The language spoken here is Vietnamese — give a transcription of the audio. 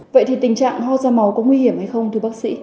vậy thì tình trạng ho ra máu có nguy hiểm hay không thưa bác sĩ